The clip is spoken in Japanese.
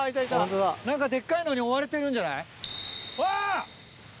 何かデッカいのに追われてるんじゃない？